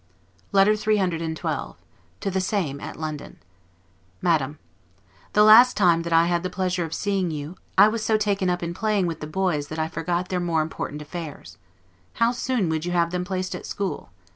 LETTER CCCXII TO THE SAME, AT LONDON MADAM: The last time that I had the pleasure of seeing you, I was so taken up in playing with the boys that I forgot their more important affairs. How soon would you have them placed at school?